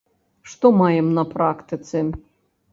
Што маем на практыцы?